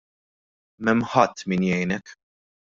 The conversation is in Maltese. M'hemm ħadd min jgħinek.